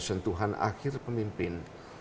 sentuhan akhir pemimpin